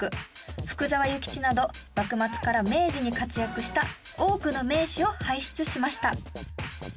福沢諭吉など幕末から明治に活躍した多くの名士を輩出しました。